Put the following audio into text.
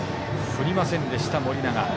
振りませんでした、盛永。